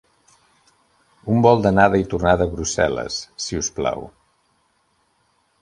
Un vol d'anada i tornada a Brussel·les, si us plau.